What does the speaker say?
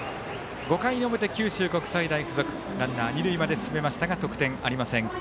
５回の表、九州国際大付属ランナー、二塁まで進めましたが得点ありません。